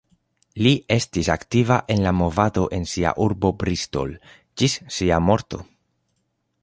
Li estis aktiva en la movado en sia urbo Bristol, ĝis sia morto.